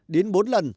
đến bốn lần